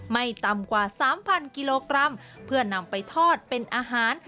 ไม่ต่ำกว่า๓๐๐กิโลกรัมเพื่อนำไปทอดเป็นอาหาร